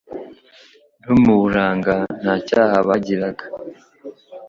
no mu buranga. Nta cyaha bagiraga